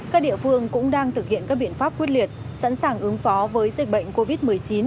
các địa phương cũng đang thực hiện các biện pháp quyết liệt sẵn sàng ứng phó với dịch bệnh covid một mươi chín